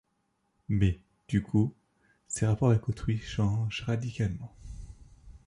Mais, du coup, ses rapports avec autrui change radicalement.